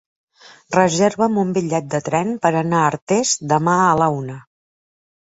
Reserva'm un bitllet de tren per anar a Artés demà a la una.